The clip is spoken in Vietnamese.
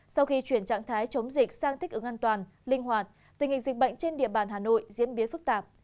sau khi chuyển trạng thái chống dịch sang thích ứng an toàn linh hoạt tình hình dịch bệnh trên địa bàn hà nội diễn biến phức tạp